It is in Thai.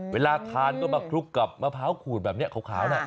เวลาทานก็มาคลุกกับมะพร้าวขูดแบบนี้ขาวนะ